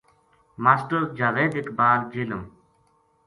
ماسٹر جاوید اقبال جہلم